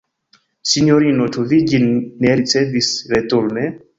Sinjorino, ĉu vi ĝin ne ricevis returne?